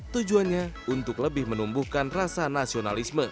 tujuannya untuk lebih menumbuhkan rasa nasionalisme